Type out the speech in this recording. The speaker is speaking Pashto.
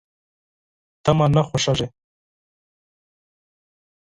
ته مي نه خوښېږې !